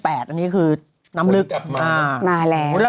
อันนี้คือน้ำลึกมาแล้ว